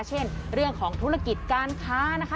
เช่นเรื่องของธุรกิจการค้านะคะ